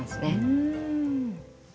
うん。